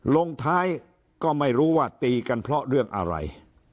ลงท้ายก็ไม่รู้ว่าตีกันเพราะเรื่องอะไร